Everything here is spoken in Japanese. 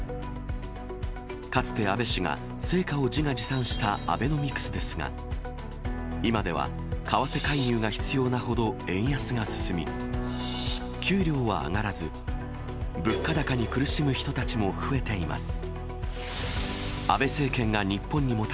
かつて安倍氏が成果を自画自賛したアベノミクスですが、今では為替介入が必要なほど円安が進み、給料は上がらず、物価高に苦しむ人たちも増えています。